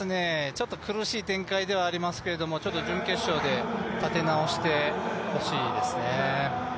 ちょっと苦しい展開ではありますけど準決勝で立て直してほしいですね。